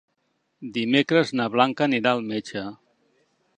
Dimecres na Blanca anirà al metge.